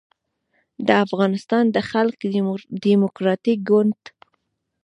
د افغانستان د خلق دیموکراتیک ګوند